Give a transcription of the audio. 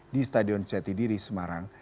di stadion cetidiri semarang